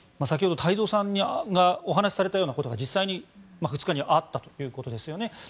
先ほど太蔵さんがお話しされたようなことが実際に２日にあったということですよね。